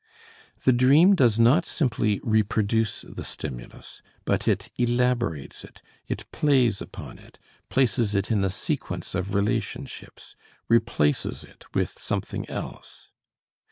The dream does not simply reproduce the stimulus, but it elaborates it, it plays upon it, places it in a sequence of relationships, replaces it with something else.